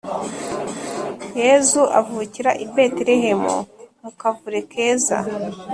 yezu avukira i betelehemu mukavure keza